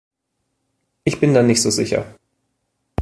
Ich bin da nicht so sicher.